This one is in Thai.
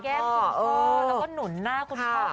หอมแก้มคุณพ่อแล้วก็หนุนหน้าคุณพ่อ